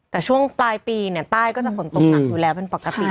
แต่ช่วงปลายปีเนี่ยใต้ก็จะฝนตกหนักอยู่แล้วเป็นปกติ